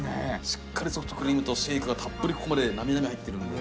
しっかりソフトクリームとシェイクがたっぷりここまでなみなみ入ってるんで。